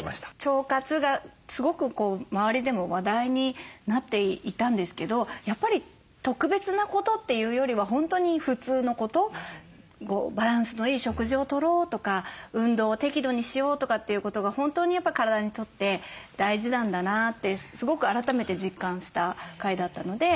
腸活がすごく周りでも話題になっていたんですけどやっぱり特別なことというよりは本当に普通のことバランスのいい食事をとろうとか運動を適度にしようとかっていうことが本当に体にとって大事なんだなってすごく改めて実感した回だったので。